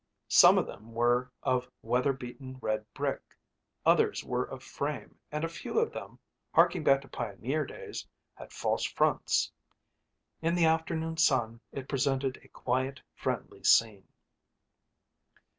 Some of them were of weather beaten red brick, others were of frame and a few of them, harking back to pioneer days, had false fronts. In the afternoon sun, it presented a quiet, friendly scene.